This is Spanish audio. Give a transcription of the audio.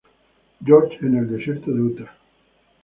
George, en el desierto de Utah.